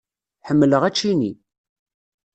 Ḥemmleɣ ačini.